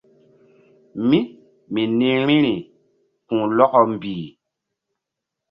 Mí mi nih vbi̧ri ku̧h lɔkɔ mbih.